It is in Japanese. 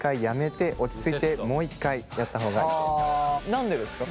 何でですか？